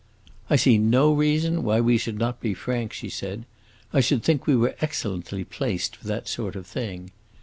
"I see no reason why we should not be frank," she said. "I should think we were excellently placed for that sort of thing.